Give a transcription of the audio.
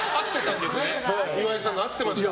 岩井さんが合ってました。